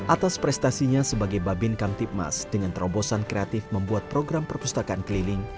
atas prestasinya sebagai babin kamtipmas dengan terobosan kreatif membuat program perpustakaan keliling